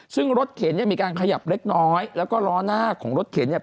ซึ่งรถเข็นเนี่ยมีการขยับเล็กน้อยแล้วก็ล้อหน้าของรถเข็นเนี่ย